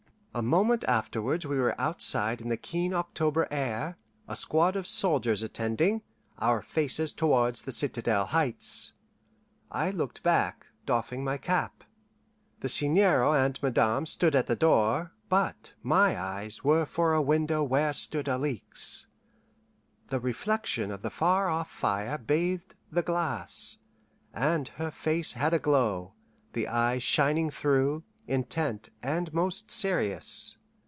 A moment afterwards we were outside in the keen October air, a squad of soldiers attending, our faces towards the citadel heights. I looked back, doffing my cap. The Seigneur and Madame stood at the door, but my eyes were for a window where stood Alixe. The reflection of the far off fire bathed the glass, and her face had a glow, the eyes shining through, intent and most serious.